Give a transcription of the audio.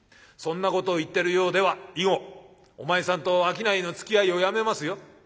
そんなことを言ってるようでは以後お前さんと商いのつきあいをやめますよ」。